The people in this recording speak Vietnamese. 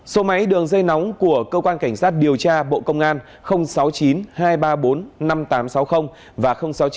số máy đường dây nóng của cơ quan cảnh sát điều tra bộ công an sáu mươi chín hai trăm ba mươi bốn năm nghìn tám trăm sáu mươi và sáu mươi chín hai trăm ba mươi một một nghìn sáu trăm bảy